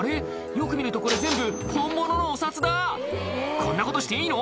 よく見るとこれ全部こんなことしていいの？